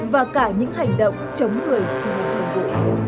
và cả những hành động chống người khi nhận thông bộ